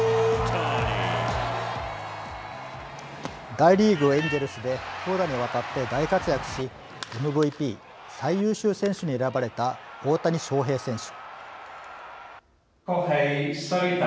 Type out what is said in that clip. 大リーグ、エンジェルスで投打にわたって大活躍しＭＶＰ＝最優秀選手に選ばれた大谷翔平選手。